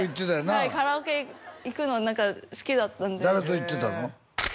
はいカラオケ行くの何か好きだったんで誰と行ってたの？